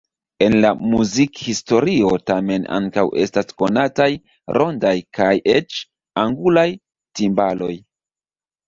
En la muzikhistorio tamen ankaŭ estas konataj rondaj kaj eĉ angulaj timbaloj.